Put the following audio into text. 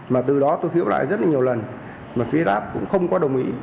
mà từ đó tôi hiểu lại rất là nhiều lần mà phía rap cũng không có đồng ý